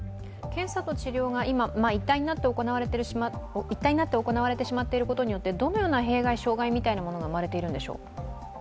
検査と治療が一体になって行われていることによてどのような弊害、障害みたいなものが生まれてるんでしょう？